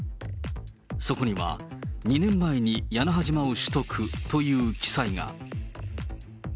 そこには、２年前に屋那覇島を取得という記載が。